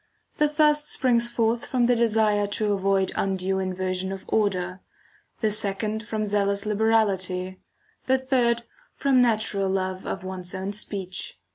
The first springs from the desire to avoid undue inversion ] of order ; the second from zealous liberality ; the third from natural love of one's own speech.